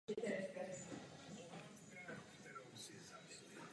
Jeho krajní poloha a snadná přístupnost ze stepí se nyní staly nevýhodou.